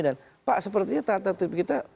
pak sepertinya tata tertib kita